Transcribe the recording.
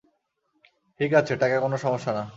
ঠিক আছে, টাকা কোন সমস্যা না।